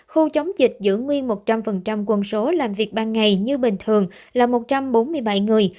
khu chống dịch giữ nguyên một trăm linh quân số làm việc ban ngày như bình thường là một trăm bốn mươi bảy người